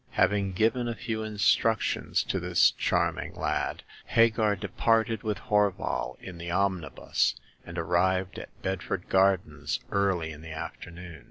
Having given a few instructions to this charm ing lad, Hagar departed with Horval in the omnibus, and arrived at Bedford Gardens early in the afternoon.